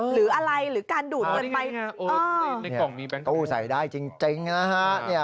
หรืออะไรหรือการดูดเงินไปเนี่ยตู้ใส่ได้จริงนะฮะ